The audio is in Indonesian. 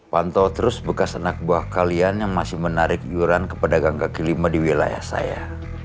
pantau terus bekas anak buah kalian yang masih menarik yuran kepada gangka kelima di wilayah saya